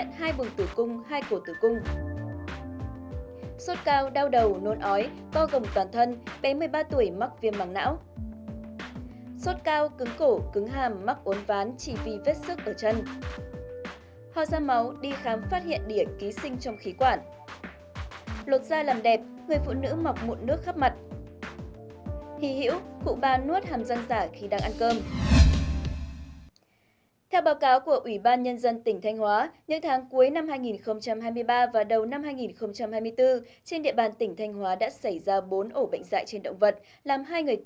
từ đầu năm hai nghìn hai mươi bốn trên địa bàn tỉnh thanh hóa đã xảy ra bốn ổ bệnh dạy trên động vật làm hai người tử vong và tám mươi sáu người bị phơi nhiễm